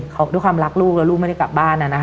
เขาด้วยความรักลูกแล้วลูกไม่ได้กลับบ้าน